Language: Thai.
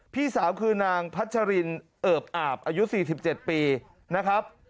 พี่สาวคือนางพัชรินเอิบอาบอายุ๔๗ปีนะครับ